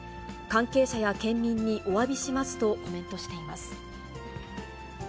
関係者や県民におわびしますとコメントしています。